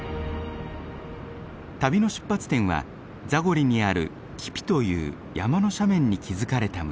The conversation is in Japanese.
旅の出発点はザゴリにあるキピという山の斜面に築かれた村。